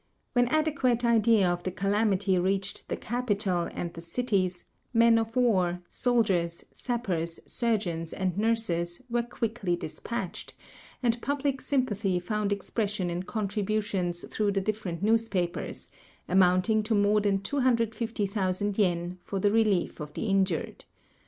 When adequate idea of the calamity reached the capital and the cities, men of war, soldiers, sappers, surgeons, and nurses were quickly dispatched, and public s^uupathy found expression in contributions through the different newspapers, amounting to more than 250,000 yen, for the relief of the injured.